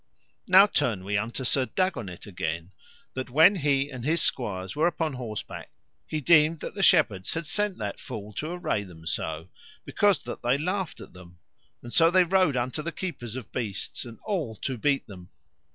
Now turn we unto Sir Dagonet again, that when he and his squires were upon horseback he deemed that the shepherds had sent that fool to array them so, because that they laughed at them, and so they rode unto the keepers of beasts and all to beat them.